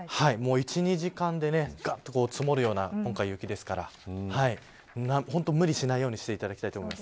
１、２時間でがっと積もるような雪ですから本当に無理しないようにしていただきたいと思います。